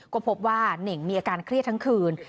ก็พบว่าเน่งมีอาการเครียดทั้งคืน